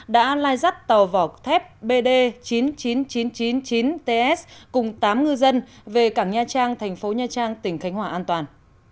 đã lai dắt tàu vỏ thép bd chín mươi chín nghìn chín trăm chín mươi chín ts cùng tám ngư dân về cảng nha trang thành phố nha trang tỉnh khánh hòa an toàn